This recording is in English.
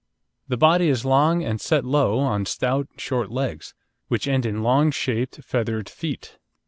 The body is long and set low, on stout, short legs, which end in long shaped, feathered feet.